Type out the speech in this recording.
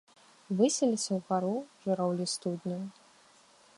Высіліся ўгару жураўлі студняў.